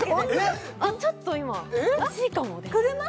ちょっと今惜しいかもです車？